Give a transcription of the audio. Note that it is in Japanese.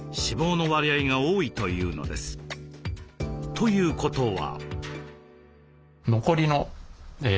ということは。